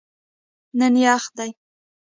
نن یخ دی